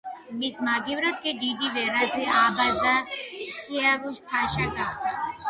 მის მაგივრად კი დიდი ვეზირი აბაზა სიავუშ-ფაშა გახდა.